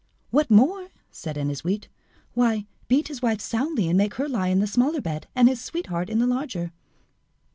"What more?" said Ennasuite. "Why, beat his wife soundly, and make her lie in the smaller bed, and his sweetheart in the larger."